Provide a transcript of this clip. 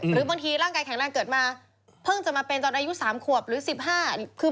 หรือบางทีร่างกายแข็งแรงเกิดมาเพิ่งจะมาเป็นตอนอายุ๓ขวบหรือ๑๕คือ